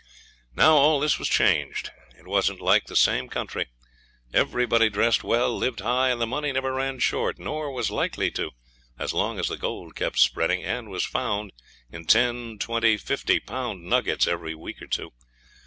Now all this was changed. It wasn't like the same country. Everybody dressed well, lived high, and the money never ran short, nor was likely to as long as the gold kept spreading, and was found in 10, 20, 50 pound nuggets every week or two.